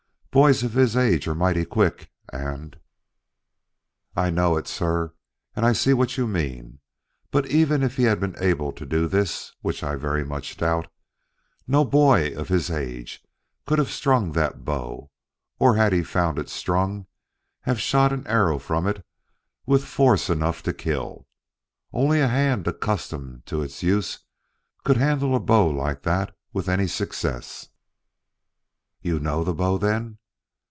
Boys of his age are mighty quick, and " "I know it, sir; and I see what you mean. But even if he had been able to do this, which I very much doubt, no boy of his age could have strung that bow, or had he found it strung, have shot an arrow from it with force enough to kill. Only a hand accustomed to its use could handle a bow like that with any success." "You know the bow, then?